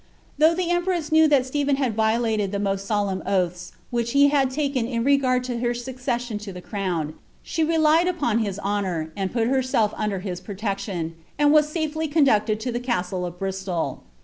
Though the empress knew that Stephen had violated the most solemn oaths which he had taken in regard to her succession to the crown, she relied upon his honour, and put herself under his pro tection, and was safely conducted to the castle of Bristol.